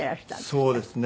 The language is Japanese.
そうですね。